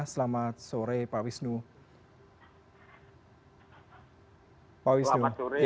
selamat sore pak wisnu